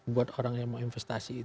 buat orang yang mau investasi